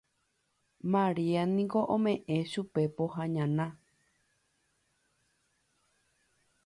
Maria niko ome'ẽ chupe pohã ñana